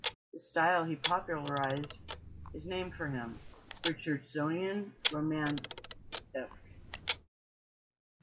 The style he popularized is named for him: Richardsonian Romanesque.